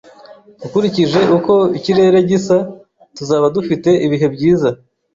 Ukurikije uko ikirere gisa, tuzaba dufite ibihe byiza